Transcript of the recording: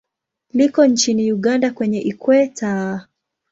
Liko nchini Uganda kwenye Ikweta.